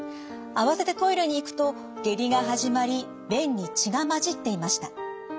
慌ててトイレに行くと下痢が始まり便に血が混じっていました。